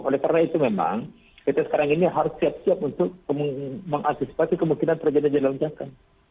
oleh karena itu memang kita sekarang ini harus siap siap untuk mengantisipasi kemungkinan terjadi lonjakan